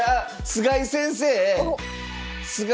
菅井先生と？